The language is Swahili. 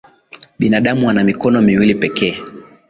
Binadamu ana mikono miwili pekee